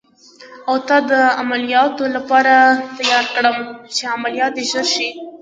او تا د عملیاتو لپاره تیار کړم، چې عملیات دې ژر شي.